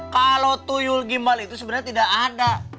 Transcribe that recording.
kalau tuyul gimbal itu sebenarnya tidak ada